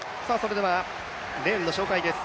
レーンの紹介です。